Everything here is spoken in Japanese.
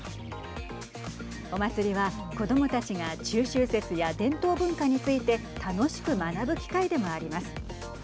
お祭りは、子どもたちが中秋節や伝統文化について楽しく学ぶ機会でもあります。